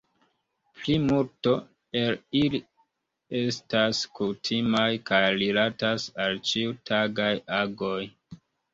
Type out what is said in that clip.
Plimulto el ili estas kutimaj kaj rilatas al ĉiutagaj agoj.